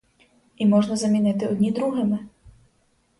І можна замінити одні другими.